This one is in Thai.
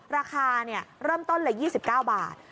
ราคาเริ่มต้นเลย๒๙บาท